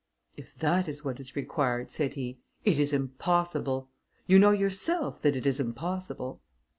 "If that is what is required," said he, "it is impossible. You know yourself, that it is impossible."